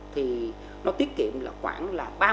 thì nó tiết kiệm khoảng